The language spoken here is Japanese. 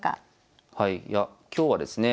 はいいや今日はですね